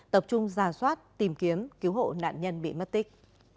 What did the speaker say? tập trung giả soát tìm kiếm cứu hộ nạn nhân bị mất tích